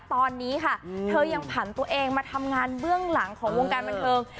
ตอนนี้ค่ะเธอยังผันตัวเองมาทำงานเบื้องหลังของวงการบันเทิง